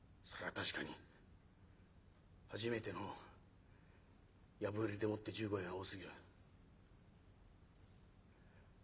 確かに初めての藪入りでもって１５円は多すぎる」。